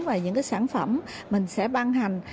và những cái sản phẩm mình sẽ ban hành